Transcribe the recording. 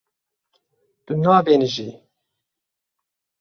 Tu nabêhnijî.